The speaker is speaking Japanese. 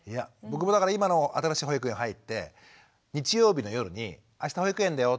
僕も今の新しい保育園入って日曜日の夜に「あした保育園だよ」